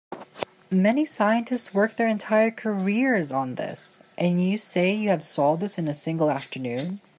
Many scientists work their entire careers on this, and you say you have solved this in a single afternoon?